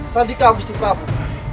sandika umis itu prabu